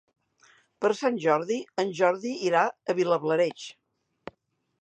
Per Sant Jordi en Jordi irà a Vilablareix.